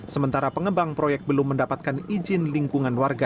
sementara pengembang proyek belum mendapatkan izin lingkungan warga